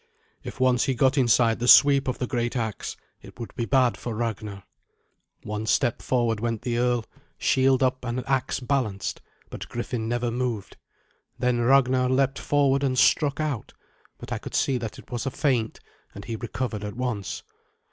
If once he got inside the sweep of the great axe it would be bad for Ragnar. One step forward went the earl, shield up and axe balanced, but Griffin never moved. Then Ragnar leapt forward and struck out, but I could see that it was a feint, and he recovered at once.